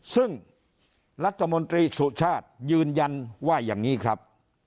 ซึ่งรัฐมนตรีสุชาติยืนยันว่าอย่างนี้ครับ